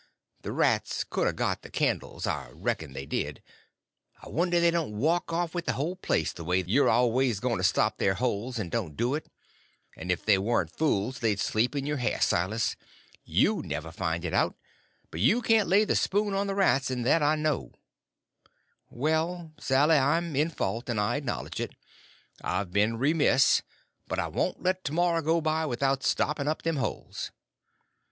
The rats could a got the candles, and I reckon they did; I wonder they don't walk off with the whole place, the way you're always going to stop their holes and don't do it; and if they warn't fools they'd sleep in your hair, Silas—you'd never find it out; but you can't lay the spoon on the rats, and that I know." "Well, Sally, I'm in fault, and I acknowledge it; I've been remiss; but I won't let to morrow go by without stopping up them holes."